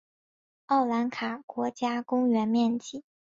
奥兰卡国家公园面积。